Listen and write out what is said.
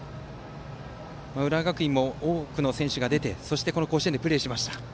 浦和学院も多くの選手が出て甲子園でプレーしました。